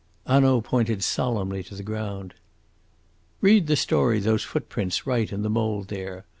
Hanaud pointed solemnly to the ground. "Read the story those footprints write in the mould there.